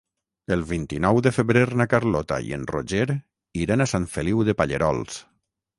El vint-i-nou de febrer na Carlota i en Roger iran a Sant Feliu de Pallerols.